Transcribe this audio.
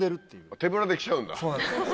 手ぶらで来ちゃうんだ。